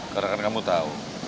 karena kan kamu tahu